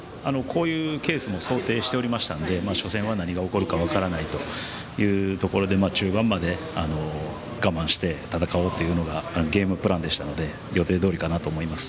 こういうケースも想定しておりましたので初戦は何が起こるか分からないというところで中盤まで我慢して、戦おうというのがゲームプランでしたので予定どおりかなと思います。